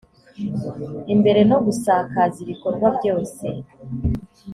imbere no gusakaza ibikorwa byose